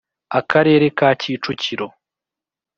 akarere ka kicukiro